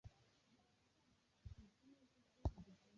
ikirombe ya amabuye y’agaciro muri Ermelo